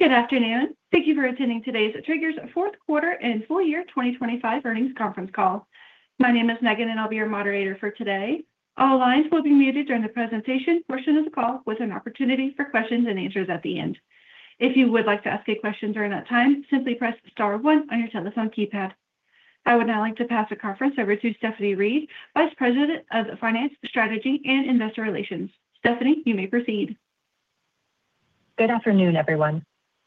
Good afternoon. Thank you for attending today's Traeger's fourth quarter and full-year 2025 earnings conference call. My name is Megan, I'll be your moderator for today. All lines will be muted during the presentation portion of the call with an opportunity for questions and answers at the end. If you would like to ask a question during that time, simply press star one on your telephone keypad. I would now like to pass the conference over to Stephanie Read, Vice President of Finance, Strategy, and Investor Relations. Stephanie, you may proceed. Good afternoon, everyone.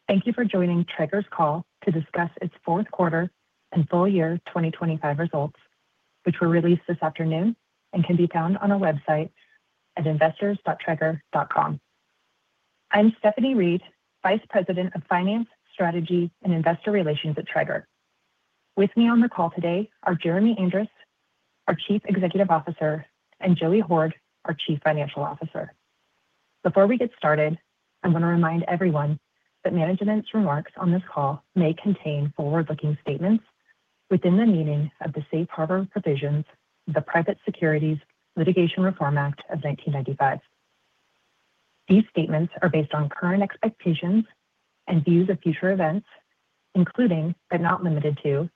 Thank you for joining Traeger's call to discuss its fourth quarter and full-year 2025 results, which were released this afternoon and can be found on our website at investors.traeger.com. I'm Stephanie Read, Vice President of Finance, Strategy, and Investor Relations at Traeger. With me on the call today are Jeremy Andrus, our Chief Executive Officer, and Joey Hord, our Chief Financial Officer. Before we get started, I want to remind everyone that management's remarks on this call may contain forward-looking statements within the meaning of the safe harbor provisions of the Private Securities Litigation Reform Act of 1995. These statements are based on current expectations and views of future events, including but not limited to,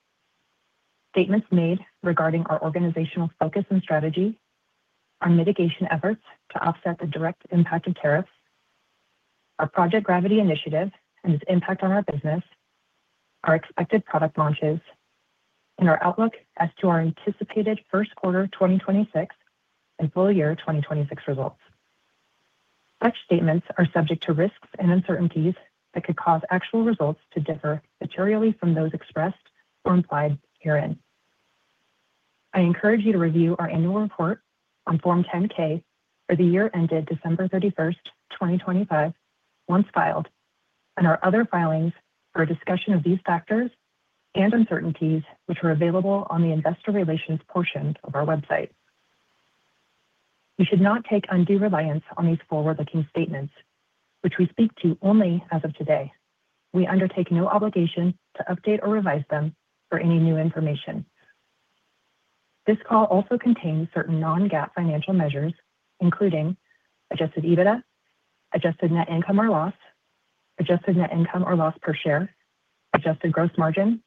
statements made regarding our organizational focus and strategy, our mitigation efforts to offset the direct impact of tariffs, our Project Gravity initiative and its impact on our business, our expected product launches, and our outlook as to our anticipated first quarter 2026 and full-year 2026 results. Such statements are subject to risks and uncertainties that could cause actual results to differ materially from those expressed or implied herein. I encourage you to review our annual report on Form 10-K for the year ended December 31st, 2025 once filed, and our other filings for a discussion of these factors and uncertainties which are available on the Investor Relations portion of our website. You should not take undue reliance on these forward-looking statements, which we speak to only as of today. We undertake no obligation to update or revise them for any new information. This call also contains certain non-GAAP financial measures, including adjusted EBITDA, adjusted net income or loss, adjusted net income or loss per share, adjusted gross margin,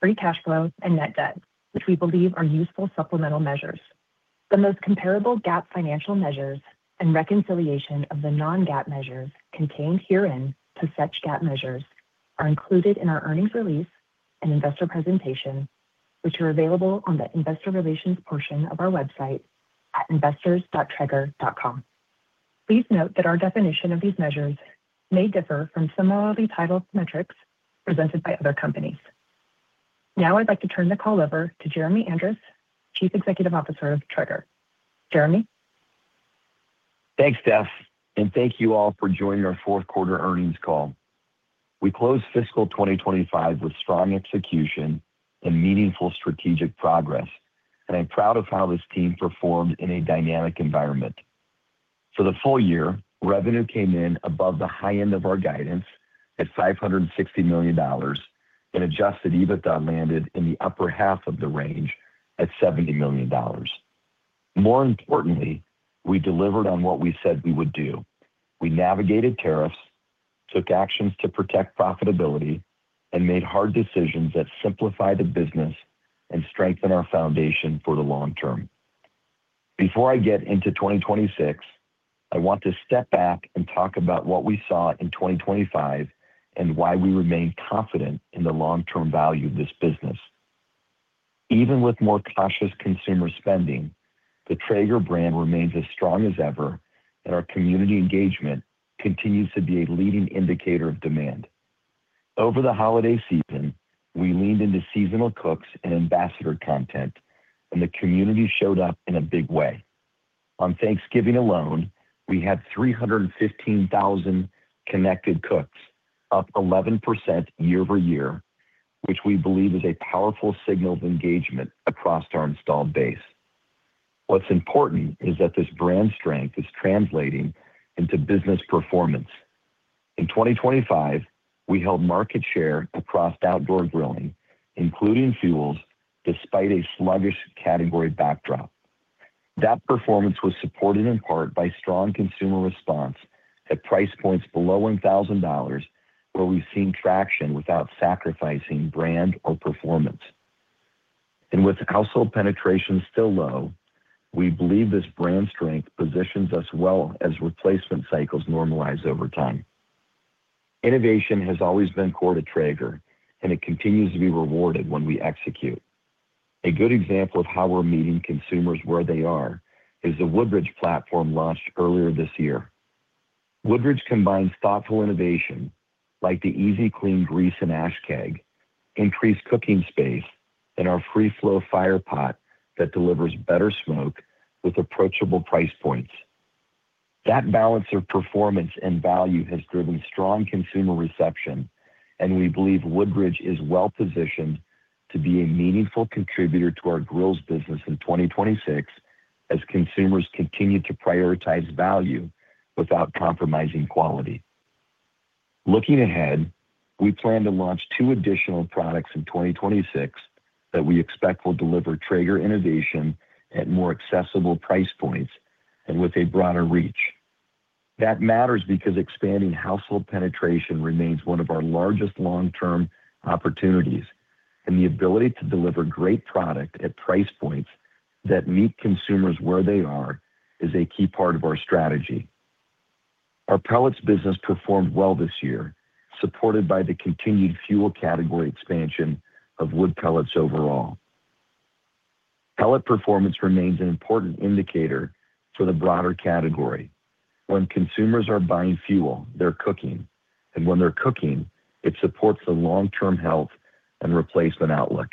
free cash flow, and net debt, which we believe are useful supplemental measures. The most comparable GAAP financial measures and reconciliation of the non-GAAP measures contained herein to such GAAP measures are included in our earnings release and investor presentation, which are available on the investor relations portion of our website at investors.traeger.com. Please note that our definition of these measures may differ from similarly titled metrics presented by other companies. Now I'd like to turn the call over to Jeremy Andrus, Chief Executive Officer of Traeger. Jeremy. Thanks, Steph. Thank you all for joining our fourth quarter earnings call. We closed fiscal year 2025 with strong execution and meaningful strategic progress. I'm proud of how this team performed in a dynamic environment. For the full-year, revenue came in above the high end of our guidance at $560 million. Adjusted EBITDA landed in the upper half of the range at $70 million. More importantly, we delivered on what we said we would do. We navigated tariffs, took actions to protect profitability and made hard decisions that simplify the business and strengthen our foundation for the long term. Before I get into 2026, I want to step back and talk about what we saw in 2025 and why we remain confident in the long-term value of this business. Even with more cautious consumer spending, the Traeger brand remains as strong as ever, and our community engagement continues to be a leading indicator of demand. Over the holiday season, we leaned into seasonal cooks and ambassador content, and the community showed up in a big way. On Thanksgiving alone, we had 315,000 connected cooks, up 11% year-over-year, which we believe is a powerful signal of engagement across our installed base. What's important is that this brand strength is translating into business performance. In 2025, we held market share across outdoor grilling, including fuels, despite a sluggish category backdrop. That performance was supported in part by strong consumer response at price points below $1,000, where we've seen traction without sacrificing brand or performance. With household penetration still low, we believe this brand strength positions us well as replacement cycles normalize over time. Innovation has always been core to Traeger, and it continues to be rewarded when we execute. A good example of how we're meeting consumers where they are is the Woodridge platform launched earlier this year. Woodridge combines thoughtful innovation like the EZ-Clean Grease & Ash Keg, increased cooking space, and our FreeFlow Firepot that delivers better smoke with approachable price points. That balance of performance and value has driven strong consumer reception. We believe Woodridge is well positioned to be a meaningful contributor to our grills business in 2026 as consumers continue to prioritize value without compromising quality. Looking ahead, we plan to launch two additional products in 2026 that we expect will deliver Traeger innovation at more accessible price points. With a broader reach. That matters because expanding household penetration remains one of our largest long-term opportunities, and the ability to deliver great product at price points that meet consumers where they are is a key part of our strategy. Our pellets business performed well this year, supported by the continued fuel category expansion of wood pellets overall. Pellet performance remains an important indicator for the broader category. When consumers are buying fuel, they're cooking, and when they're cooking, it supports the long-term health and replacement outlook.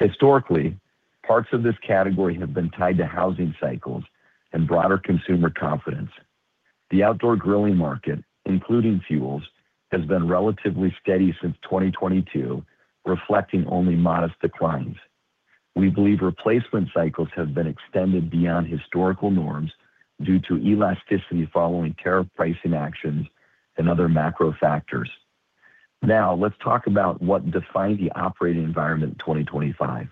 Historically, parts of this category have been tied to housing cycles and broader consumer confidence. The outdoor grilling market, including fuels, has been relatively steady since 2022, reflecting only modest declines. We believe replacement cycles have been extended beyond historical norms due to elasticity following tariff pricing actions and other macro factors. Let's talk about what defined the operating environment in 2025.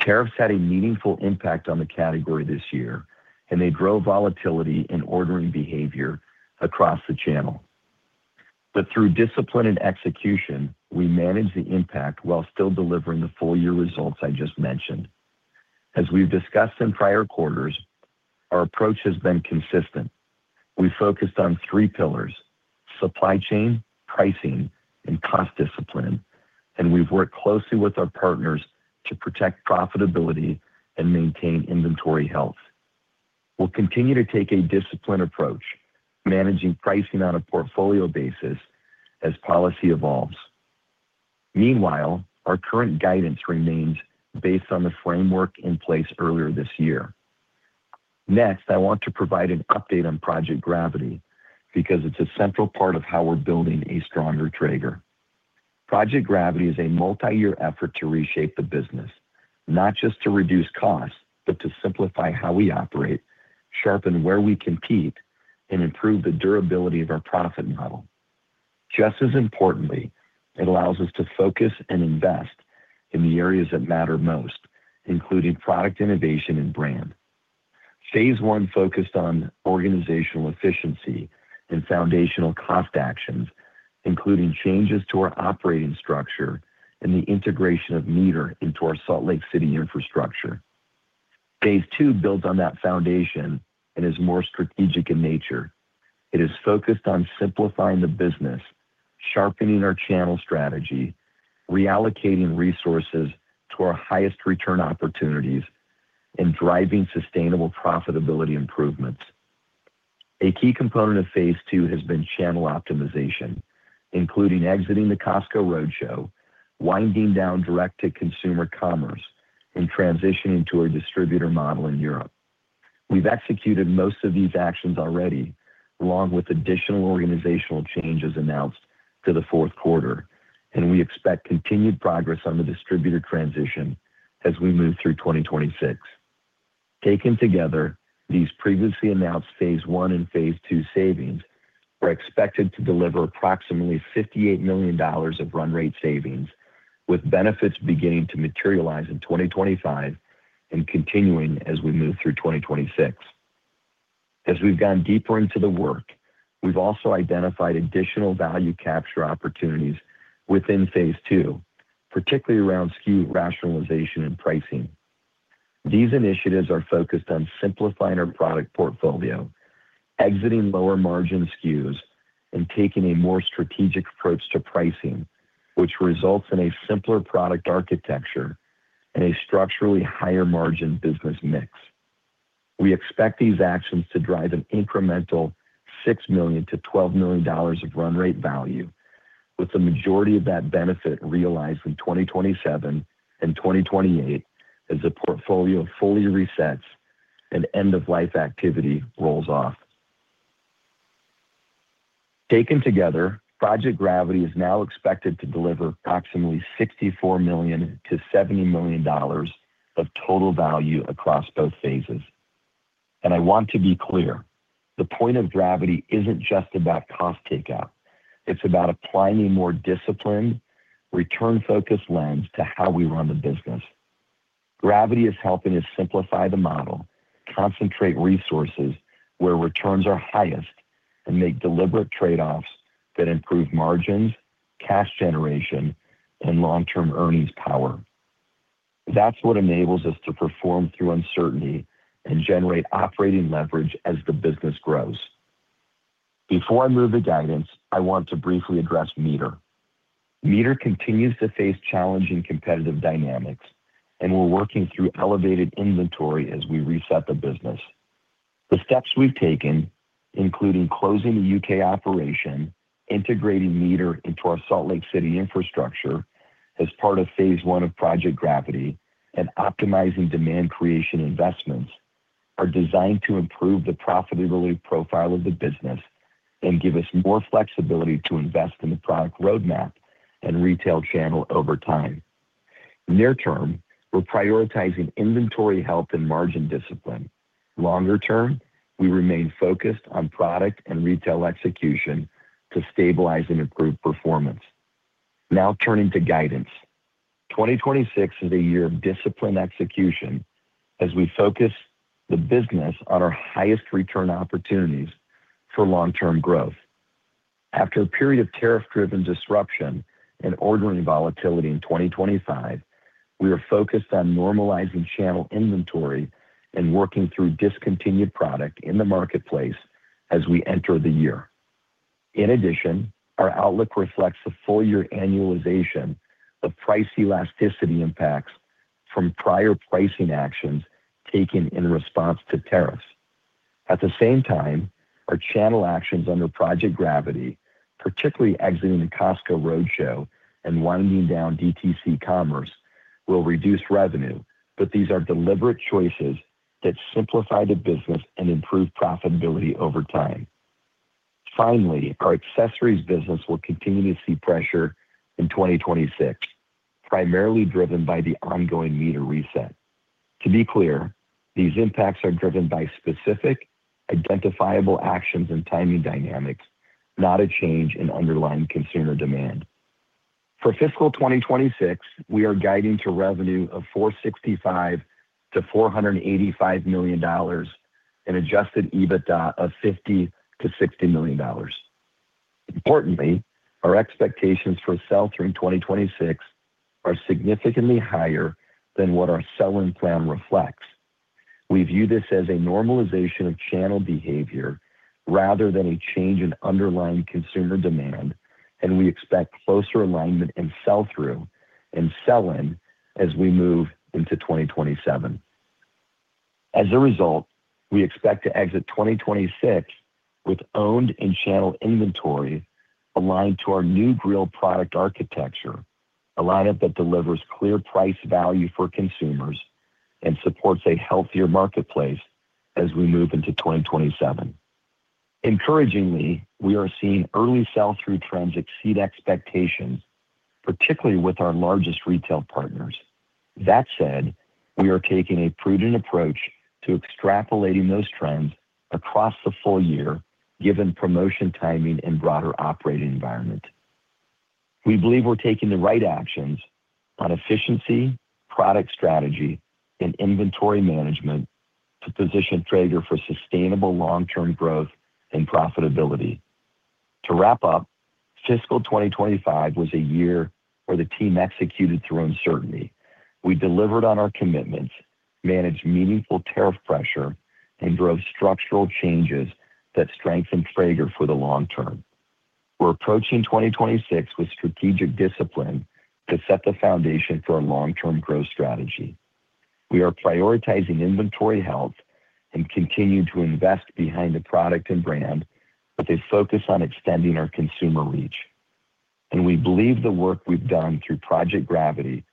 Tariffs had a meaningful impact on the category this year, and they drove volatility in ordering behavior across the channel. Through discipline and execution, we managed the impact while still delivering the full-year results I just mentioned. As we've discussed in prior quarters, our approach has been consistent. We focused on three pillars: supply chain, pricing, and cost discipline, and we've worked closely with our partners to protect profitability and maintain inventory health. We'll continue to take a disciplined approach, managing pricing on a portfolio basis as policy evolves. Meanwhile, our current guidance remains based on the framework in place earlier this year. Next, I want to provide an update on Project Gravity because it's a central part of how we're building a stronger Traeger. Project Gravity is a multi-year effort to reshape the business, not just to reduce costs, but to simplify how we operate, sharpen where we compete, and improve the durability of our profit model. Just as importantly, it allows us to focus and invest in the areas that matter most, including product innovation and brand. Phase 1 focused on organizational efficiency and foundational cost actions, including changes to our operating structure and the integration of MEATER into our Salt Lake City infrastructure. Phase 2 builds on that foundation and is more strategic in nature. It is focused on simplifying the business, sharpening our channel strategy, reallocating resources to our highest return opportunities, and driving sustainable profitability improvements. A key component of Phase 2 has been channel optimization, including exiting the Costco Roadshow, winding down direct-to-consumer commerce, and transitioning to a distributor model in Europe. We've executed most of these actions already, along with additional organizational changes announced to the fourth quarter. We expect continued progress on the distributor transition as we move through 2026. Taken together, these previously announced Phase 1 and Phase 2 savings are expected to deliver approximately $58 million of run rate savings, with benefits beginning to materialize in 2025 and continuing as we move through 2026. As we've gone deeper into the work, we've also identified additional value capture opportunities within Phase 2, particularly around SKU rationalization and pricing. These initiatives are focused on simplifying our product portfolio, exiting lower margin SKUs, and taking a more strategic approach to pricing, which results in a simpler product architecture and a structurally higher margin business mix. We expect these actions to drive an incremental $6 million-$12 million of run rate value, with the majority of that benefit realized in 2027 and 2028 as the portfolio fully resets and end-of-life activity rolls off. Taken together, Project Gravity is now expected to deliver approximately $64 million-$70 million of total value across both phases. I want to be clear, the point of Gravity isn't just about cost takeout. It's about applying a more disciplined, return-focused lens to how we run the business. Gravity is helping us simplify the model, concentrate resources where returns are highest, and make deliberate trade-offs that improve margins, cash generation, and long-term earnings power. That's what enables us to perform through uncertainty and generate operating leverage as the business grows. Before I move to guidance, I want to briefly address MEATER. MEATER continues to face challenging competitive dynamics, and we're working through elevated inventory as we reset the business. The steps we've taken, including closing the U.K. operation, integrating MEATER into our Salt Lake City infrastructure as part of Phase 1 of Project Gravity, and optimizing demand creation investments, are designed to improve the profitability profile of the business and give us more flexibility to invest in the product roadmap and retail channel over time. Near term, we're prioritizing inventory health and margin discipline. Longer term, we remain focused on product and retail execution to stabilize and improve performance. Turning to guidance. 2026 is a year of disciplined execution as we focus the business on our highest return opportunities for long-term growth. After a period of tariff-driven disruption and ordering volatility in 2025, we are focused on normalizing channel inventory and working through discontinued product in the marketplace as we enter the year. In addition, our outlook reflects the full-year annualization of price elasticity impacts from prior pricing actions taken in response to tariffs. At the same time, our channel actions under Project Gravity, particularly exiting the Costco Roadshow and winding down DTC commerce, will reduce revenue, but these are deliberate choices that simplify the business and improve profitability over time. Finally, our accessories business will continue to see pressure in 2026, primarily driven by the ongoing MEATER reset. To be clear, these impacts are driven by specific identifiable actions and timing dynamics, not a change in underlying consumer demand. For fiscal year 2026, we are guiding to revenue of $465 million-$485 million and adjusted EBITDA of $50 million-$60 million. Importantly, our expectations for sell-through in 2026 are significantly higher than what our sell-in plan reflects. We view this as a normalization of channel behavior rather than a change in underlying consumer demand, and we expect closer alignment in sell-through and sell-in as we move into 2027. As a result, we expect to exit 2026 with owned and channel inventory aligned to our new grill product architecture, a lineup that delivers clear price value for consumers and supports a healthier marketplace as we move into 2027. Encouragingly, we are seeing early sell-through trends exceed expectations, particularly with our largest retail partners. That said, we are taking a prudent approach to extrapolating those trends across the full-year, given promotion timing and broader operating environment. We believe we're taking the right actions on efficiency, product strategy, and inventory management to position Traeger for sustainable long-term growth and profitability. To wrap up, fiscal year 2025 was a year where the team executed through uncertainty. We delivered on our commitments, managed meaningful tariff pressure, and drove structural changes that strengthened Traeger for the long term. We're approaching 2026 with strategic discipline to set the foundation for a long-term growth strategy. We are prioritizing inventory health and continue to invest behind the product and brand with a focus on extending our consumer reach. We believe the work we've done through Project Gravity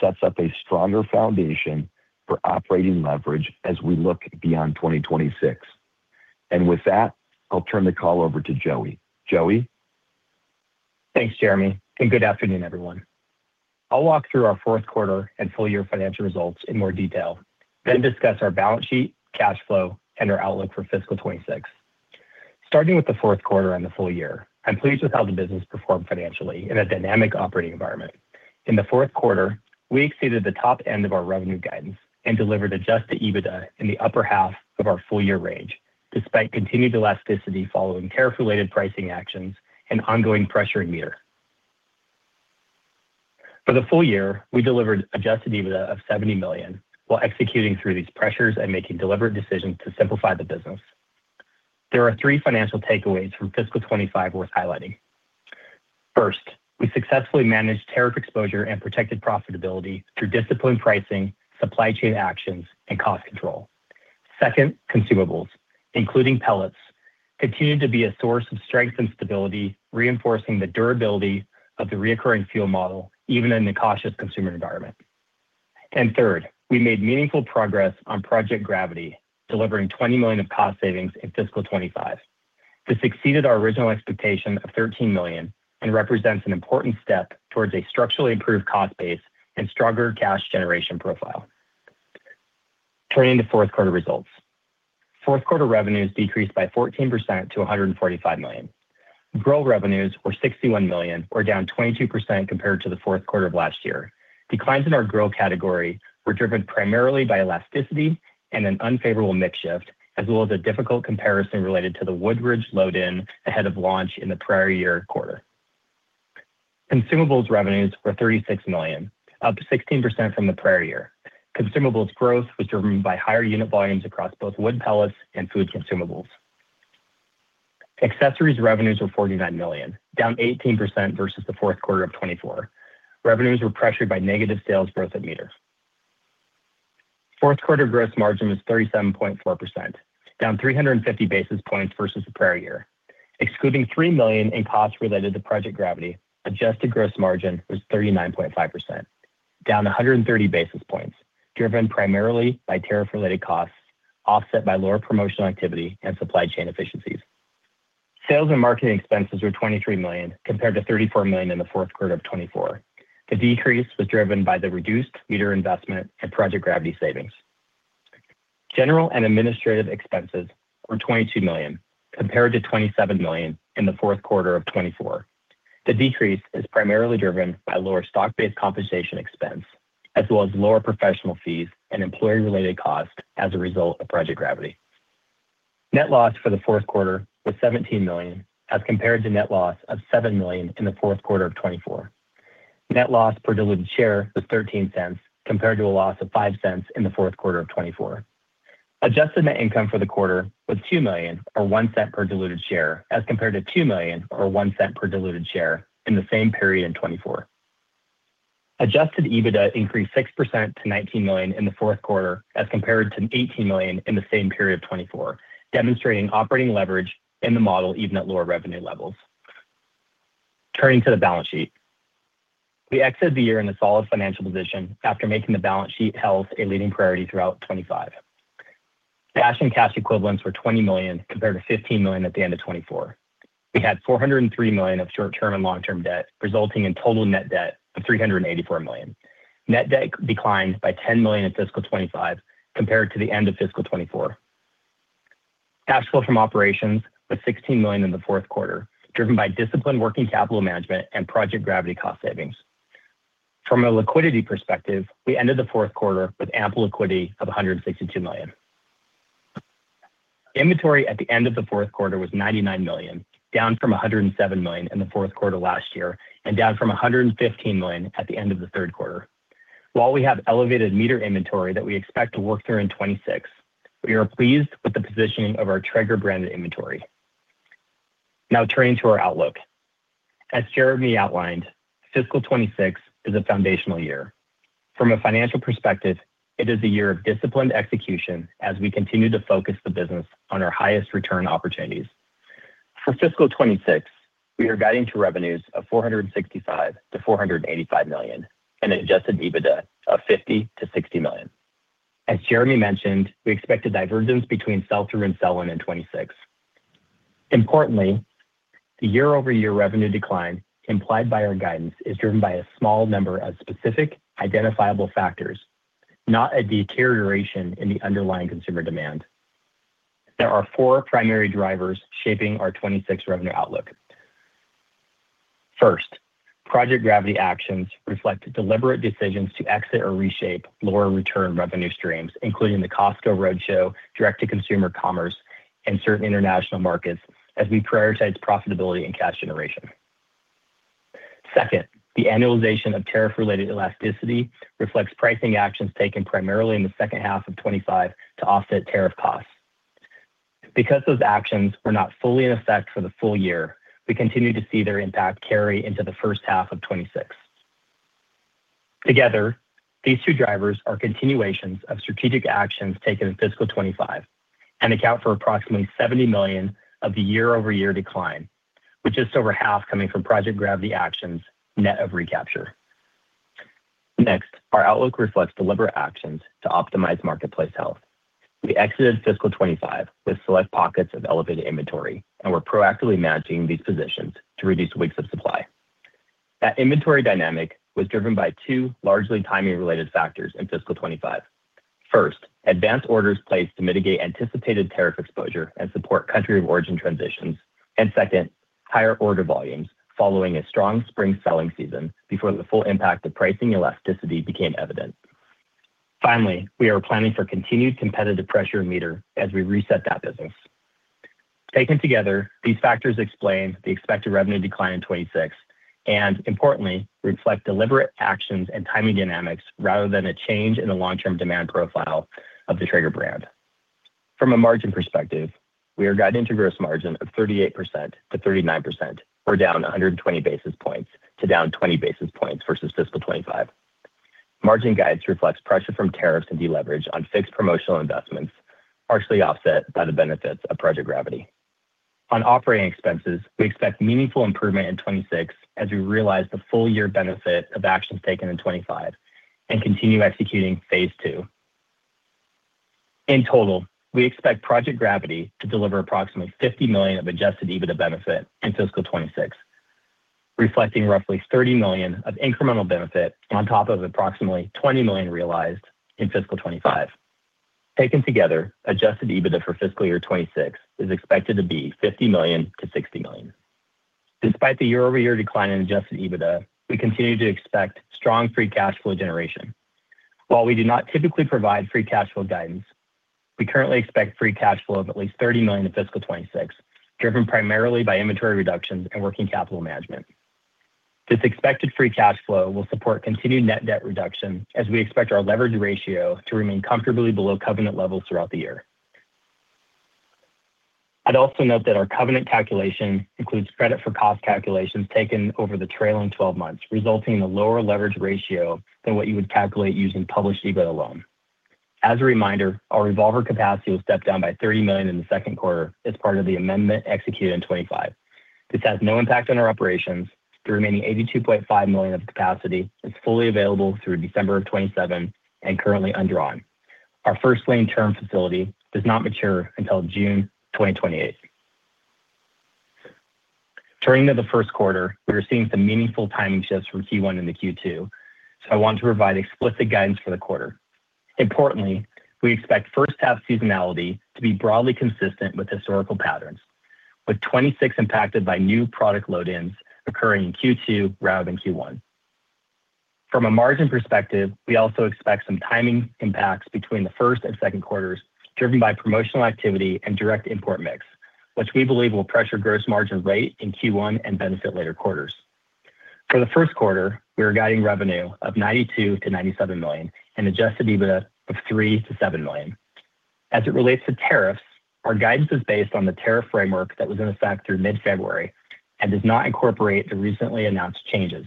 sets up a stronger foundation for operating leverage as we look beyond 2026. With that, I'll turn the call over to Joey. Joey? Thanks, Jeremy. Good afternoon, everyone. I'll walk through our fourth quarter and full-year financial results in more detail, then discuss our balance sheet, cash flow, and our outlook for fiscal year 2026. Starting with the fourth quarter and the full-year, I'm pleased with how the business performed financially in a dynamic operating environment. In the fourth quarter, we exceeded the top end of our revenue guidance and delivered adjusted EBITDA in the upper half of our full-year range, despite continued elasticity following tariff-related pricing actions and ongoing pressure in MEATER. For the full-year, we delivered adjusted EBITDA of $70 million, while executing through these pressures and making deliberate decisions to simplify the business. There are three financial takeaways from fiscal year 2025 worth highlighting. First, we successfully managed tariff exposure and protected profitability through disciplined pricing, supply chain actions, and cost control. Second, consumables, including pellets, continued to be a source of strength and stability, reinforcing the durability of the reoccurring fuel model even in the cautious consumer environment. Third, we made meaningful progress on Project Gravity, delivering $20 million of cost savings in fiscal year 2025. This exceeded our original expectation of $13 million and represents an important step towards a structurally improved cost base and stronger cash generation profile. Turning to fourth quarter results. Fourth quarter revenues decreased by 14% to $145 million. Grill revenues were $61 million, or down 22% compared to the fourth quarter of last year. Declines in our grill category were driven primarily by elasticity and an unfavorable mix shift, as well as a difficult comparison related to the Woodridge load-in ahead of launch in the prior year quarter. Consumables revenues were $36 million, up 16% from the prior year. Consumables growth was driven by higher unit volumes across both wood pellets and food consumables. Accessories revenues were $49 million, down 18% versus the fourth quarter of 2024. Revenues were pressured by negative sales growth at MEATER. Fourth quarter gross margin was 37.4%, down 350 basis points versus the prior year. Excluding $3 million in costs related to Project Gravity, adjusted gross margin was 39.5%, down 130 basis points, driven primarily by tariff-related costs, offset by lower promotional activity and supply chain efficiencies. Sales and marketing expenses were $23 million, compared to $34 million in the fourth quarter of 2024. The decrease was driven by the reduced MEATER investment and Project Gravity savings. General and administrative expenses were $22 million compared to $27 million in the fourth quarter of 2024. The decrease is primarily driven by lower stock-based compensation expense, as well as lower professional fees and employee-related costs as a result of Project Gravity. Net loss for the fourth quarter was $17 million as compared to net loss of $7 million in the fourth quarter of 2024. Net loss per diluted share was $0.13 compared to a loss of $0.05 in the fourth quarter of 2024. Adjusted net income for the quarter was $2 million or $0.01 per diluted share as compared to $2 million or $0.01 per diluted share in the same period in 2024. Adjusted EBITDA increased 6% to $19 million in the fourth quarter as compared to $18 million in the same period of 2024, demonstrating operating leverage in the model even at lower revenue levels. Turning to the balance sheet. We exited the year in a solid financial position after making the balance sheet health a leading priority throughout 2025. Cash and cash equivalents were $20 million compared to $15 million at the end of 2024. We had $403 million of short-term and long-term debt, resulting in total net debt of $384 million. Net debt declined by $10 million in fiscal year 2025 compared to the end of fiscal year 2024. Cash flow from operations was $16 million in the fourth quarter, driven by disciplined working capital management and Project Gravity cost savings. From a liquidity perspective, we ended the fourth quarter with ample liquidity of $162 million. Inventory at the end of the fourth quarter was $99 million, down from $107 million in the fourth quarter last year and down from $115 million at the end of the third quarter. While we have elevated MEATER inventory that we expect to work through in 2026, we are pleased with the positioning of our Traeger branded inventory. Now turning to our outlook. As Jeremy outlined, fiscal year 2026 is a foundational year. From a financial perspective, it is a year of disciplined execution as we continue to focus the business on our highest return opportunities. For fiscal year 2026, we are guiding to revenues of $465 million-$485 million and an adjusted EBITDA of $50 million-$60 million. As Jeremy mentioned, we expect a divergence between sell-through and sell-in in 2026. Importantly, the year-over-year revenue decline implied by our guidance is driven by a small number of specific identifiable factors, not a deterioration in the underlying consumer demand. There are four primary drivers shaping our 2026 revenue outlook. First, Project Gravity actions reflect deliberate decisions to exit or reshape lower return revenue streams, including the Costco Roadshow, direct-to-consumer commerce, and certain international markets as we prioritize profitability and cash generation. Second, the annualization of tariff-related elasticity reflects pricing actions taken primarily in the second half of 2025 to offset tariff costs. Because those actions were not fully in effect for the full-year, we continue to see their impact carry into the first half of 2026. Together, these two drivers are continuations of strategic actions taken in fiscal year 2025 and account for approximately $70 million of the year-over-year decline, with just over half coming from Project Gravity actions net of recapture. Next, our outlook reflects deliberate actions to optimize marketplace health. We exited fiscal year 2025 with select pockets of elevated inventory, and we're proactively managing these positions to reduce weeks of supply. That inventory dynamic was driven by two largely timing-related factors in fiscal year 2025. First, advance orders placed to mitigate anticipated tariff exposure and support country of origin transitions. Second, higher order volumes following a strong spring selling season before the full impact of pricing elasticity became evident. We are planning for continued competitive pressure in MEATER as we reset that business. Taken together, these factors explain the expected revenue decline in 2026 and importantly reflect deliberate actions and timing dynamics rather than a change in the long-term demand profile of the Traeger brand. From a margin perspective, we are guiding to gross margin of 38%-39% or down 120 basis points to down 20 basis points versus fiscal year 2025. Margin guidance reflects pressure from tariffs and deleverage on fixed promotional investments, partially offset by the benefits of Project Gravity. On operating expenses, we expect meaningful improvement in 2026 as we realize the full-year benefit of actions taken in 2025 and continue executing Phase 2. In total, we expect Project Gravity to deliver approximately $50 million of adjusted EBITDA benefit in fiscal year 2026, reflecting roughly $30 million of incremental benefit on top of approximately $20 million realized in fiscal year 2025. Taken together, adjusted EBITDA for fiscal year 2026 is expected to be $50 million-$60 million. Despite the year-over-year decline in adjusted EBITDA, we continue to expect strong free cash flow generation. While we do not typically provide free cash flow guidance, we currently expect free cash flow of at least $30 million in fiscal year 2026, driven primarily by inventory reductions and working capital management. This expected free cash flow will support continued net debt reduction as we expect our leverage ratio to remain comfortably below covenant levels throughout the year. I'd also note that our covenant calculation includes credit for cost calculations taken over the trailing 12 months, resulting in a lower leverage ratio than what you would calculate using published EBITDA alone. As a reminder, our revolver capacity was stepped down by $30 million in the second quarter as part of the amendment executed in 2025. This has no impact on our operations. The remaining $82.5 million of capacity is fully available through December of 2027 and currently undrawn. Our first lien term facility does not mature until June 2028. Turning to the first quarter, we are seeing some meaningful timing shifts from Q1 into Q2. I want to provide explicit guidance for the quarter. Importantly, we expect first half seasonality to be broadly consistent with historical patterns, with 2026 impacted by new product load-ins occurring in Q2 rather than Q1. From a margin perspective, we also expect some timing impacts between the first and second quarters driven by promotional activity and direct import mix, which we believe will pressure gross margin rate in Q1 and benefit later quarters. For the first quarter, we are guiding revenue of $92 million-$97 million and adjusted EBITDA of $3 million-$7 million. As it relates to tariffs, our guidance is based on the tariff framework that was in effect through mid-February and does not incorporate the recently announced changes.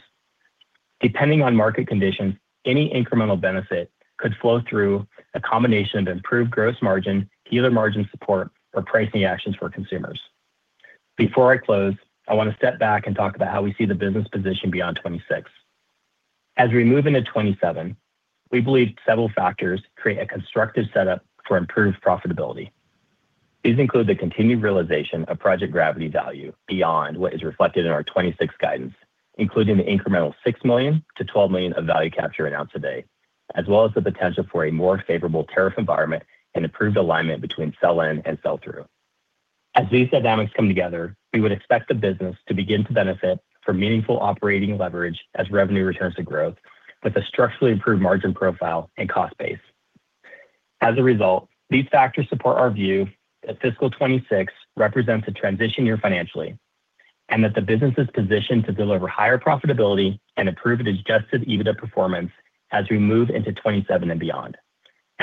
Depending on market conditions, any incremental benefit could flow through a combination of improved gross margin, dealer margin support, or pricing actions for consumers. Before I close, I want to step back and talk about how we see the business position beyond 2026. As we move into 2027, we believe several factors create a constructive setup for improved profitability. These include the continued realization of Project Gravity value beyond what is reflected in our 2026 guidance, including the incremental $6 million-$12 million of value capture announced today, as well as the potential for a more favorable tariff environment and improved alignment between sell-in and sell-through. As these dynamics come together, we would expect the business to begin to benefit from meaningful operating leverage as revenue returns to growth with a structurally improved margin profile and cost base. As a result, these factors support our view that fiscal year 2026 represents a transition year financially and that the business is positioned to deliver higher profitability and improve its adjusted EBITDA performance as we move into 2027 and beyond.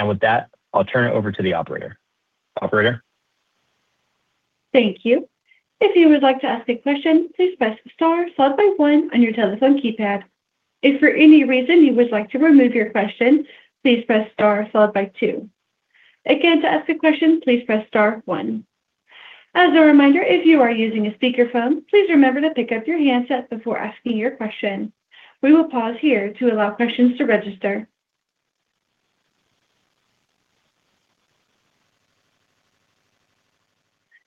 With that, I'll turn it over to the operator. Operator? Thank you. If you would like to ask a question, please press star followed by one on your telephone keypad. If for any reason you would like to remove your question, please press star followed by two. Again, to ask a question, please press star one. As a reminder, if you are using a speakerphone, please remember to pick up your handset before asking your question. We will pause here to allow questions to register.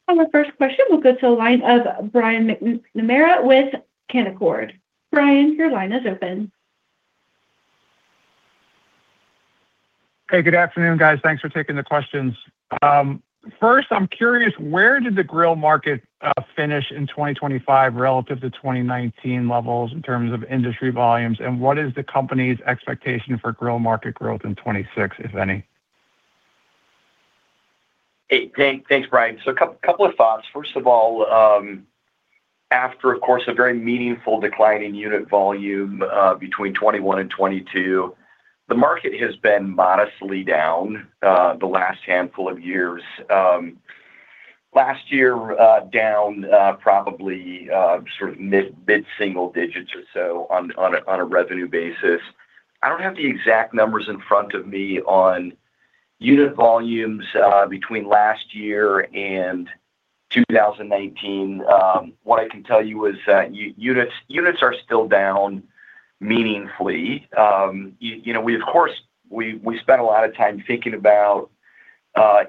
For our first question, we will go to the line of Brian McNamara with Canaccord. Brian, your line is open. Hey, good afternoon, guys. Thanks for taking the questions. First, I'm curious, where did the grill market finish in 2025 relative to 2019 levels in terms of industry volumes? What is the company's expectation for grill market growth in 2026, if any? Thanks, Brian. A couple of thoughts. First of all, after, of course, a very meaningful decline in unit volume between 2021 and 2022, the market has been modestly down the last handful of years. Last year, down probably sort of mid-single digits or so on a revenue basis. I don't have the exact numbers in front of me on unit volumes between last year and 2019. What I can tell you is that units are still down meaningfully. You know, we of course, we spent a lot of time thinking about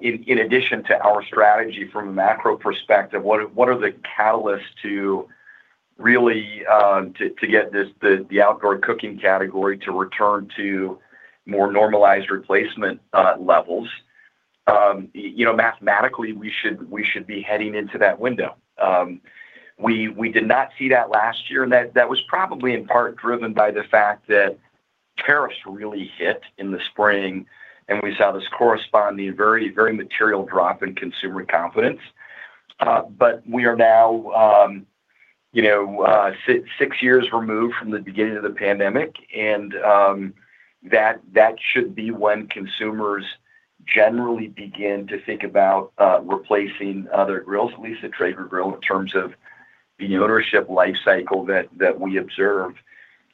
in addition to our strategy from a macro perspective, what are the catalysts to really to get the outdoor cooking category to return to more normalized replacement levels. You know, mathematically, we should be heading into that window. We did not see that last year, and that was probably in part driven by the fact that tariffs really hit in the spring, and we saw this corresponding very, very material drop in consumer confidence. We are now, you know, six years removed from the beginning of the pandemic, and that should be when consumers generally begin to think about replacing other grills, at least the Traeger Grill, in terms of the ownership life cycle that we observed.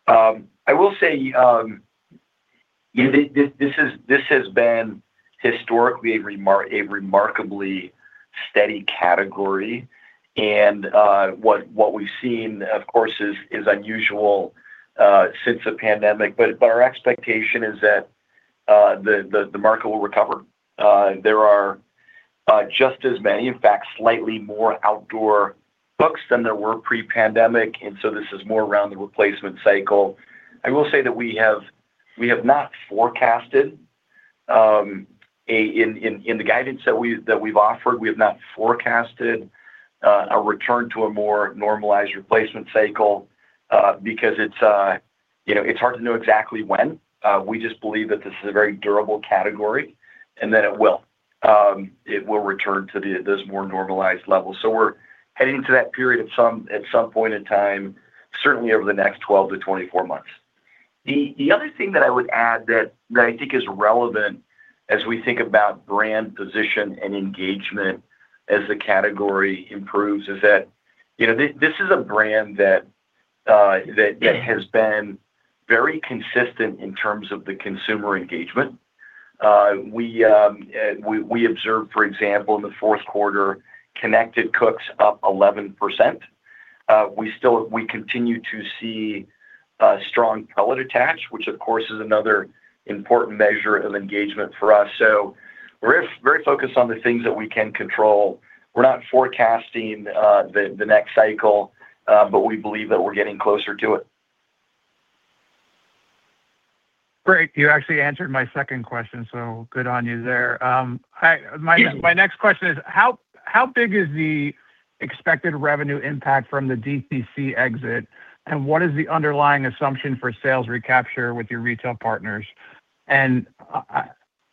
I will say, you know, this has been historically a remarkably steady category, and what we've seen, of course, is unusual since the pandemic. Our expectation is that the market will recover. There are just as many, in fact, slightly more outdoor cooks than there were pre-pandemic. This is more around the replacement cycle. I will say that we have not forecasted in the guidance that we've offered, we have not forecasted a return to a more normalized replacement cycle, because it's, you know, hard to know exactly when. We just believe that this is a very durable category and that it will return to the, those more normalized levels. We're heading to that period at some point in time, certainly over the next 12-24 months. The other thing that I would add that I think is relevant as we think about brand position and engagement as the category improves is that, you know, this is a brand that has been very consistent in terms of the consumer engagement. We observed, for example, in the fourth quarter, connected cooks up 11%. We continue to see strong pellet attach, which of course is another important measure of engagement for us. We're very focused on the things that we can control. We're not forecasting the next cycle, but we believe that we're getting closer to it. Great. You actually answered my second question, so good on you there. My next question is: how big is the expected revenue impact from the DTC exit? What is the underlying assumption for sales recapture with your retail partners? In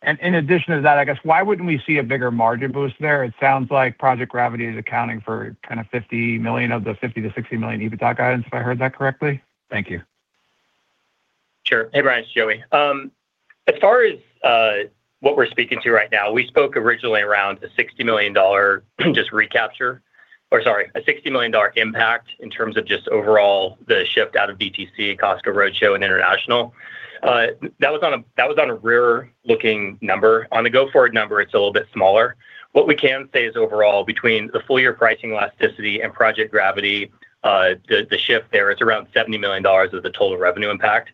addition to that, I guess, why wouldn't we see a bigger margin boost there? It sounds like Project Gravity is accounting for kind of $50 million of the $50 million-$60 million EBITDA guidance, if I heard that correctly. Thank you. Sure. Hey, Brian. It's Joey. As far as what we're speaking to right now, we spoke originally around a $60 million just recapture or sorry, a $60 million impact in terms of just overall the shift out of DTC, Costco Roadshow, and International. That was on a rear-looking number. On the go-forward number, it's a little bit smaller. What we can say is overall, between the full-year pricing elasticity and Project Gravity, the shift there is around $70 million is the total revenue impact.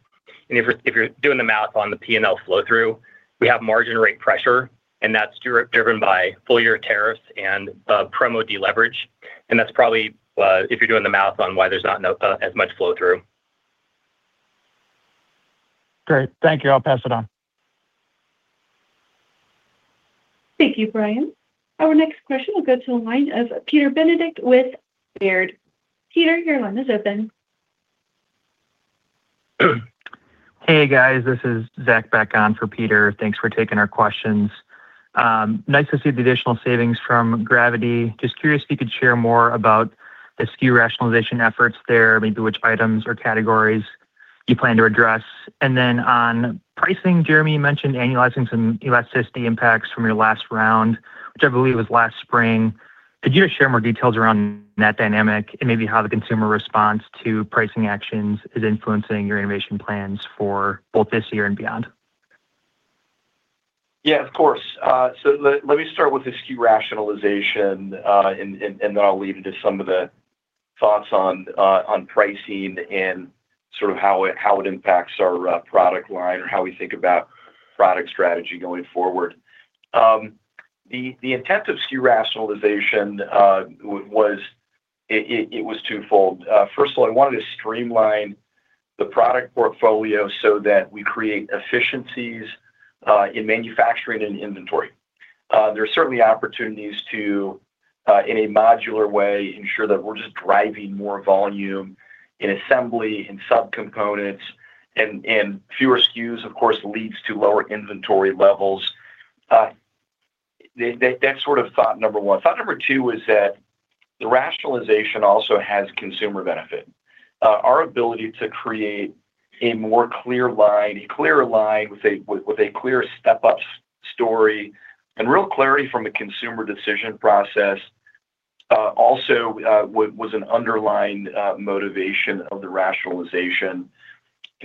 If you're doing the math on the P&L flow-through, we have margin rate pressure, and that's driven by full-year tariffs and promo deleverage. That's probably, if you're doing the math on why there's not no as much flow-through. Great. Thank you. I'll pass it on. Thank you, Brian. Our next question will go to the line of Peter Benedict with Baird. Peter, your line is open. Hey, guys, this is Zach Beeck on for Peter. Thanks for taking our questions. Nice to see the additional savings from Gravity. Just curious if you could share more about the SKU rationalization efforts there, maybe which items or categories you plan to address. On pricing, Jeremy, you mentioned annualizing some elasticity impacts from your last round, which I believe was last spring. Could you just share more details around that dynamic and maybe how the consumer response to pricing actions is influencing your innovation plans for both this year and beyond? Yeah, of course. Let me start with the SKU rationalization, and then I'll lead into some of the thoughts on pricing and sort of how it, how it impacts our product line or how we think about product strategy going forward. The intent of SKU rationalization, it was twofold. First of all, we wanted to streamline the product portfolio so that we create efficiencies in manufacturing and inventory. There are certainly opportunities to in a modular way, ensure that we're just driving more volume in assembly and subcomponents and fewer SKUs, of course, leads to lower inventory levels. That, that's sort of thought number one. Thought number two is that the rationalization also has consumer benefit. Our ability to create a more clear line, a clearer line with a, with a clear step-up story and real clarity from a consumer decision process, also was an underlying motivation of the rationalization.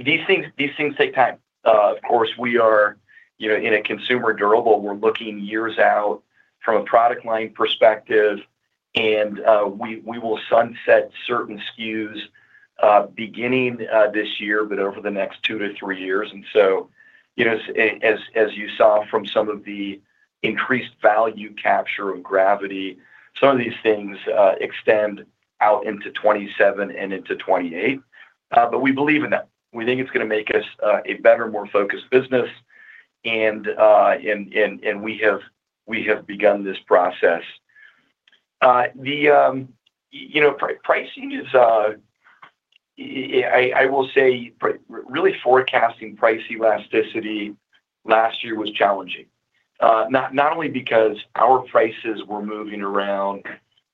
These things take time. Of course, we are, you know, in a consumer durable, we're looking years out from a product line perspective, and we will sunset certain SKUs beginning this year but over the next two to three years. You know, as, as you saw from some of the increased value capture of Gravity, some of these things extend out into 2027 and into 2028. We believe in that. We think it's gonna make us a better, more focused business and we have begun this process. You know, pricing is, I will say really forecasting price elasticity last year was challenging, not only because our prices were moving around,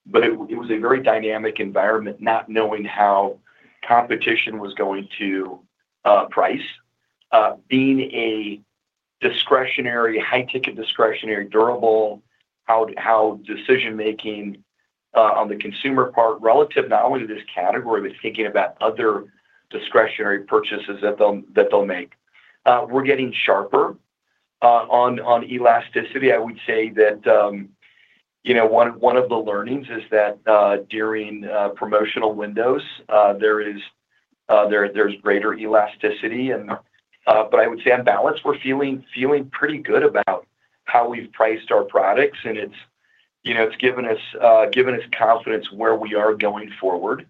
but it was a very dynamic environment, not knowing how competition was going to price. Being a high-ticket discretionary durable, how decision-making on the consumer part, relative not only to this category, but thinking about other discretionary purchases that they'll make. We're getting sharper on elasticity. I would say that, you know, one of the learnings is that during promotional windows, there's greater elasticity and. I would say on balance, we're feeling pretty good about how we've priced our products, and it's, you know, it's given us confidence where we are going forward.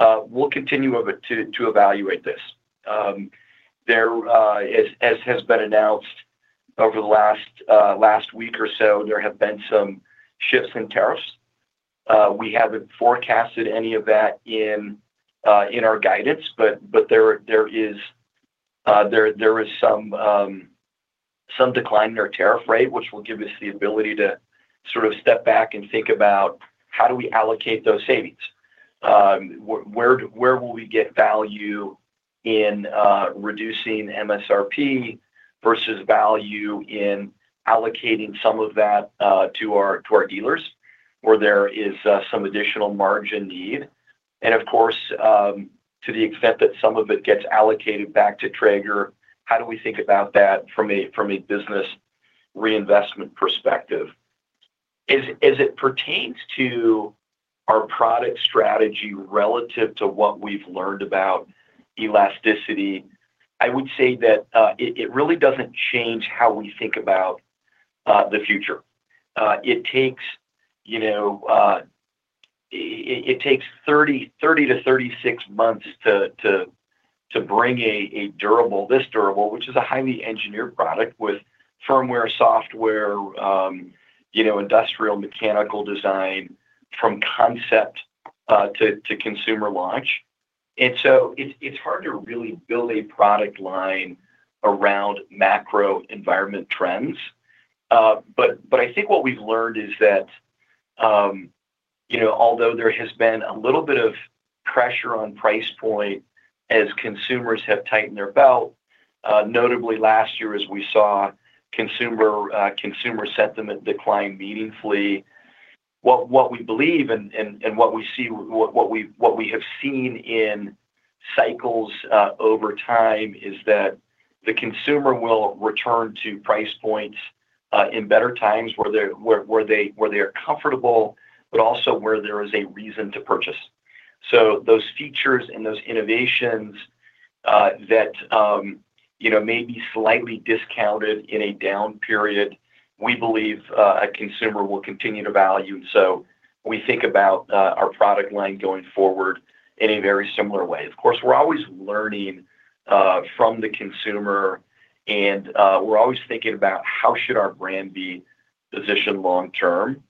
We'll continue to evaluate this. There as has been announced over the last week or so, there have been some shifts in tariffs. We haven't forecasted any of that in our guidance, but there is there is some decline in our tariff rate, which will give us the ability to sort of step back and think about how do we allocate those savings. Where will we get value in reducing MSRP versus value in allocating some of that to our dealers, where there is some additional margin need. Of course, to the extent that some of it gets allocated back to Traeger, how do we think about that from a, from a business reinvestment perspective. As it pertains to our product strategy relative to what we've learned about elasticity, I would say that it really doesn't change how we think about the future. It takes, you know, it takes 30-36 months to bring a durable, this durable, which is a highly engineered product with firmware, software, you know, industrial mechanical design from concept to consumer launch. So it's hard to really build a product line around macro environment trends. I think what we've learned is that, you know, although there has been a little bit of pressure on price point as consumers have tightened their belt, notably last year as we saw consumer sentiment decline meaningfully. What we believe and what we see, what we have seen in cycles over time is that the consumer will return to price points in better times where they're comfortable, but also where there is a reason to purchase. Those features and those innovations that, you know, may be slightly discounted in a down period, we believe a consumer will continue to value. We think about our product line going forward in a very similar way. Of course, we're always learning from the consumer and we're always thinking about how should our brand be positioned long term.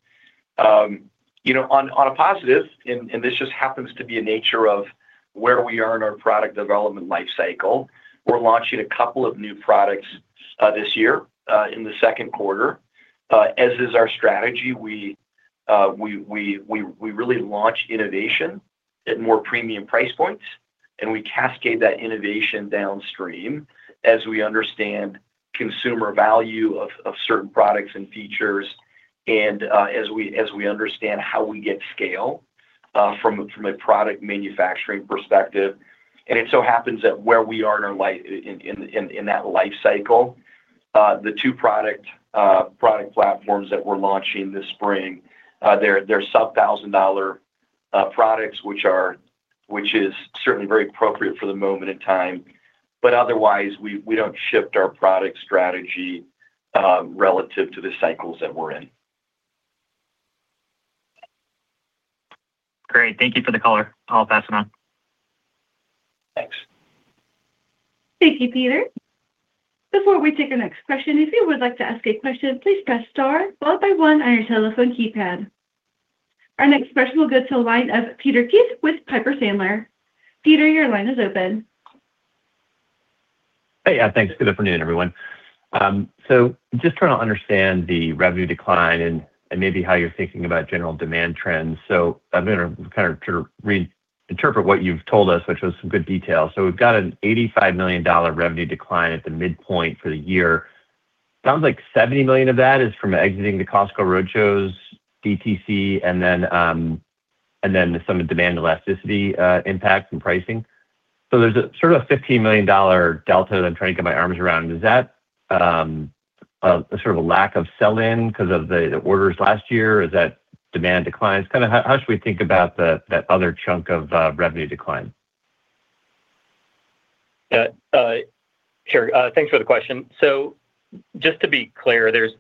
You know, on a positive, and this just happens to be a nature of where we are in our product development life cycle, we're launching a couple of new products this year in the second quarter. As is our strategy, we really launch innovation at more premium price points, and we cascade that innovation downstream as we understand consumer value of certain products and features and as we understand how we get scale from a product manufacturing perspective. It so happens that where we are in our life cycle, the two product platforms that we're launching this spring, they're sub $1,000 products, which is certainly very appropriate for the moment in time. Otherwise, we don't shift our product strategy relative to the cycles that we're in. Great. Thank you for the color. I'll pass it on. Thanks. Thank you, Peter. Before we take our next question, if you would like to ask a question, please press star followed by one on your telephone keypad. Our next question will go to the line of Peter Keith with Piper Sandler. Peter, your line is open. Hey. Yeah, thanks. Good afternoon, everyone. Just trying to understand the revenue decline and maybe how you're thinking about general demand trends. I'm gonna kind of re-interpret what you've told us, which was some good detail. We've got an $85 million revenue decline at the midpoint for the year. Sounds like $70 million of that is from exiting the Costco Roadshows, DTC, and then some of demand elasticity impact from pricing. There's a sort of a $15 million delta that I'm trying to get my arms around. Is that a sort of a lack of sell-in 'cause of the orders last year? Is that demand declines? Kinda how should we think about that other chunk of revenue decline? Sure, thanks for the question. Just to be clear,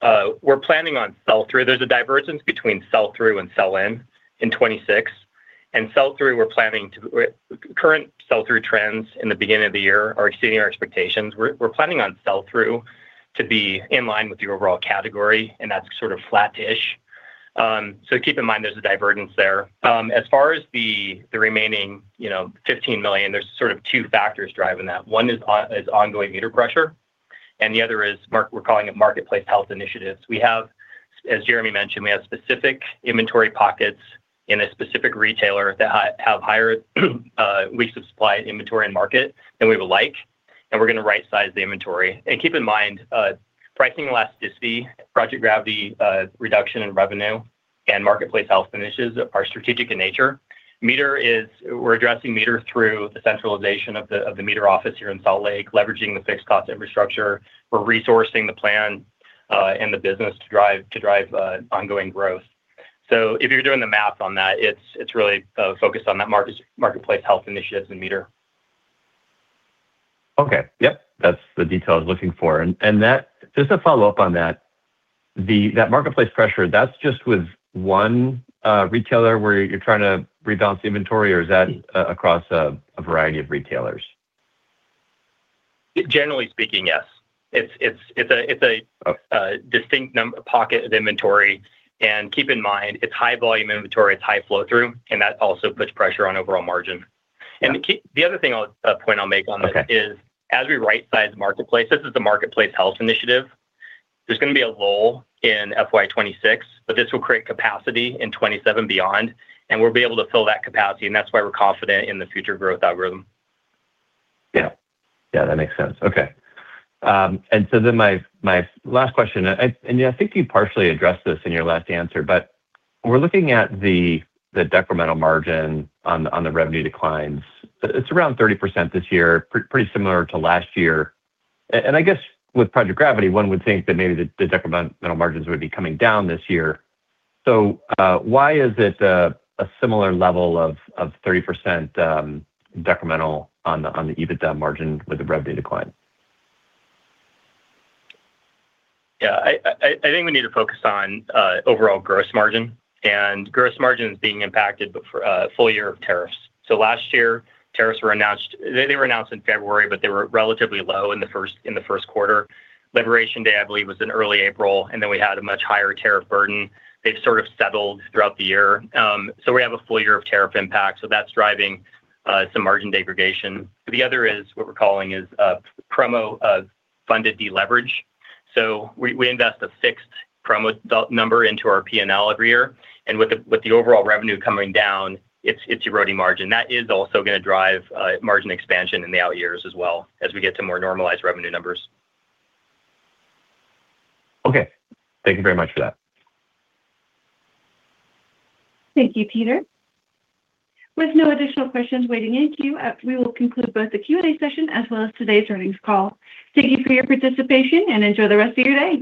we're planning on sell-through. There's a divergence between sell-through and sell-in in 2026. In sell-through, current sell-through trends in the beginning of the year are exceeding our expectations. We're planning on sell-through to be in line with the overall category, and that's sort of flattish. Keep in mind there's a divergence there. As far as the remaining, you know, $15 million, there's sort of two factors driving that. One is ongoing MEATER pressure, and the other is we're calling it marketplace health initiatives. We have, as Jeremy mentioned, we have specific inventory pockets in a specific retailer that have higher weeks of supply inventory and market than we would like, and we're gonna right-size the inventory. Keep in mind, pricing elasticity, Project Gravity, reduction in revenue, and marketplace health initiatives are strategic in nature. We're addressing MEATER through the centralization of the MEATER office here in Salt Lake, leveraging the fixed cost infrastructure. We're resourcing the plan and the business to drive ongoing growth. If you're doing the math on that, it's really focused on that market, marketplace health initiatives and MEATER. Okay. Yep, that's the detail I was looking for. Just a follow-up on that. That marketplace pressure, that's just with one retailer where you're trying to rebalance the inventory, or is that across a variety of retailers? Generally speaking, yes. It's a distinct pocket of inventory. Keep in mind, it's high volume inventory, it's high flow through, and that also puts pressure on overall margin. Got it. The other thing I'll point I'll make on this. Okay Is as we right-size marketplace, this is the marketplace health initiative, there's gonna be a lull in FY 2026, but this will create capacity in 2027 beyond, and we'll be able to fill that capacity, and that's why we're confident in the future growth algorithm. Yeah. Yeah, that makes sense. Okay. My, my last question, I think you partially addressed this in your last answer. When we're looking at the decremental margin on the revenue declines, it's around 30% this year, pretty similar to last year. I guess with Project Gravity, one would think that maybe the decremental margins would be coming down this year. Why is it a similar level of 30% decremental on the, on the EBITDA margin with the revenue decline? Yeah. I think we need to focus on overall gross margin. Gross margin is being impacted for a full-year of tariffs. Last year, tariffs were announced. They were announced in February, they were relatively low in the first quarter. Liberation Day, I believe, was in early April. We had a much higher tariff burden. They've sort of settled throughout the year. We have a full-year of tariff impact, that's driving some margin degradation. The other is what we're calling is promo funded deleverage. We invest a fixed promo number into our P&L every year. With the overall revenue coming down, it's eroding margin. That is also gonna drive margin expansion in the out years as well as we get to more normalized revenue numbers. Okay. Thank you very much for that. Thank you, Peter. With no additional questions waiting in queue, we will conclude both the Q&A session as well as today's earnings call. Thank you for your participation, and enjoy the rest of your day.